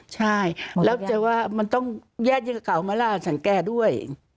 ใช่แล้วมันต้องแยกกับเก่ามาสั่งแก้ด้วย